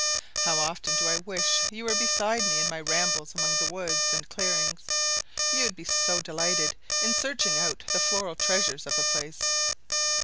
How often do I wish you were beside me in my rambles among the woods and clearings: you would be so delighted in searching out the floral treasures of the place.